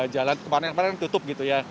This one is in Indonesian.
jalan kemarin kemarin tutup gitu ya